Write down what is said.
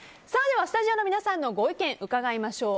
スタジオの皆さんのご意見伺いましょう。